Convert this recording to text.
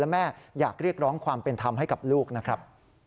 และแม่อยากเรียกร้องความเป็นธรรมให้กับลูกนะครับ